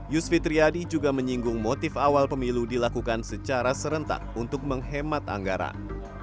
yus fitriadi juga menyinggung motif awal pemilu dilakukan secara serentak untuk menghemat anggaran